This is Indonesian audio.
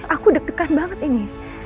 aku deg degan banget ini